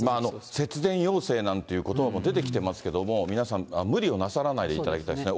節電要請なんてことばも出てきてますけども、皆さん、無理をなさらないでいただきたいですね。